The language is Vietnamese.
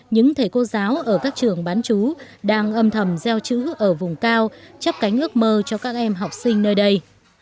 những thầy cô giáo ở các trường bán chú đang âm thầm gieo chữ ở vùng cao chấp cánh ước mơ cho các em học sinh nơi đây